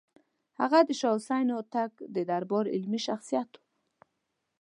هغه د شاه حسین هوتک د دربار علمي شخصیت و.